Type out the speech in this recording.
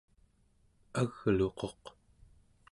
agluquq